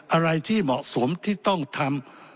อะไรที่เหมาะสมที่ต้องทำ